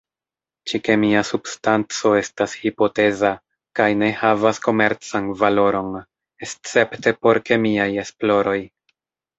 Ĉi-kemia substanco estas hipoteza kaj ne havas komercan valoron, escepte por kemiaj esploroj.